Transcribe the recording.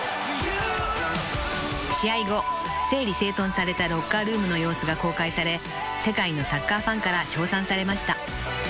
［試合後整理整頓されたロッカールームの様子が公開され世界のサッカーファンから称賛されました］